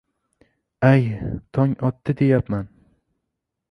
— Ay, tong otdi, deyapman.